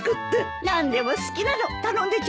何でも好きなの頼んでちょうだい。